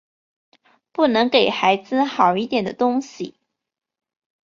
不能给孩子好一点的东西